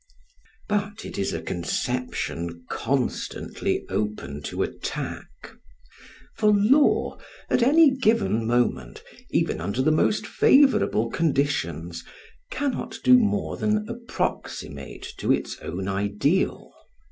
But it is a conception constantly open to attack. For law, at any given moment, even under the most favourable conditions, cannot do more than approximate to its own ideal.